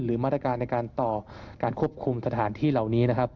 มาตรการในการต่อการควบคุมสถานที่เหล่านี้นะครับ